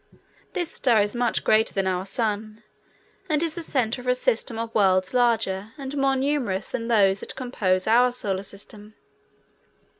This star is much greater than our Sun and is the center of a system of worlds larger and more numerous than those that compose our Solar System.